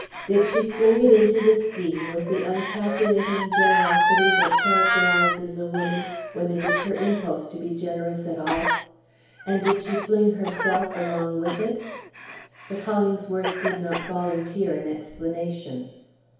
Did she fling it into the scheme with the uncalculating generosity that characterizes a woman when it is her impulse to be generous at all? And did she fling herself along with it? But Hollingsworth did not volunteer an explanation.